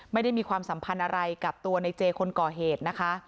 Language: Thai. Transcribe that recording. ไม่ได้มีความสัมพันธ์อะไรกับตัวในเจคนก่อเหตุนะคะ